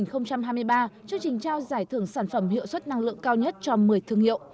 năm hai nghìn hai mươi ba chương trình trao giải thưởng sản phẩm hiệu suất năng lượng cao nhất cho một mươi thương hiệu